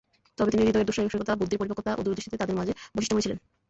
তবে তিনি হৃদয়ের দুঃসাহসিকতা, বুদ্ধির পরিপক্কতা ও দূরদৃষ্টিতে তাদের মাঝে বৈশিষ্ট্যময় ছিলেন।